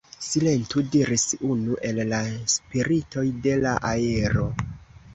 Silentu, diris unu el la spiritoj de la aero.